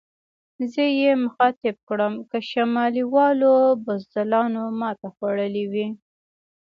زه یې مخاطب کړم: که شمالي والو بزدلانو ماته خوړلې وي.